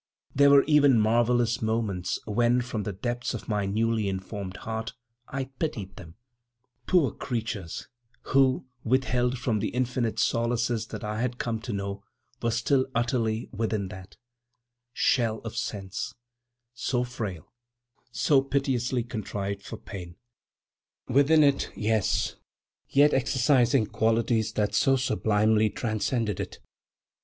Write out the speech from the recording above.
There were even marvelous moments when, from the depths of my newly informed heart, I pitied them—poor creatures, who, withheld from the infinite solaces that I had come to know, were still utterly within that Shell of sense So frail, so piteously contrived for pain. Within it, yes; yet exercising qualities that so sublimely transcended it.